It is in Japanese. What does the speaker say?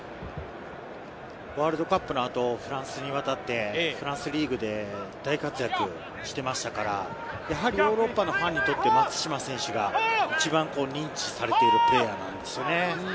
ワールドカップの後、フランスにわたってフランスリーグで大活躍していましたから、やはりヨーロッパのファンにとって松島選手が一番認知されているプレーヤーなんですね。